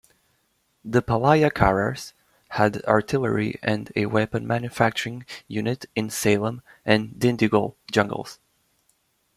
The Palayakarrars had artillery and a weapon manufacturing unit in Salem and Dindigul jungles.